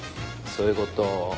そういうこと。